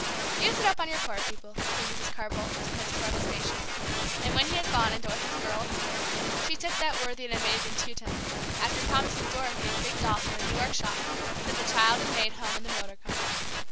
"Use it up on your poor people," said Mrs. Carr Boldt, to his protestations; and when he had gone, and Dorothy's "girl" appeared, she tipped that worthy and amazed Teuton, and after promising Dorothy a big doll from a New York shop, sent the child and maid home in the motor car.